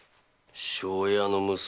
庄屋の娘？